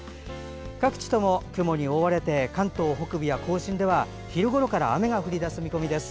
各地とも雲に覆われて関東北部や甲信では昼ごろから雨が降り出す見込みです。